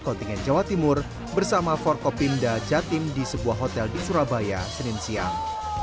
kontingen jawa timur bersama forkopimda jatim di sebuah hotel di surabaya senin siang